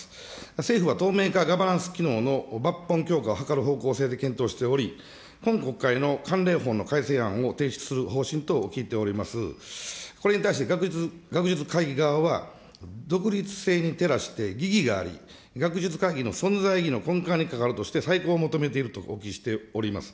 政府は当面、ガバナンス機能の抜本強化を図る方向で検討しており、今国会の関連法の改正案を提出する方向であるとこれに対して学術会議側は独立性に照らして、疑義があり、学術会議の存在の再考を求めているとお聞きしております。